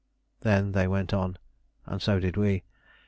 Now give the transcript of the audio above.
Then they went on, and so did we.